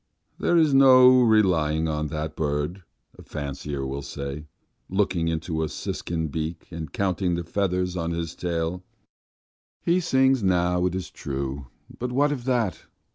"There is no relying on that bird," a fancier will say, looking into a siskin's beak, and counting the feathers on its tail. "He sings now, it's true, but what of that?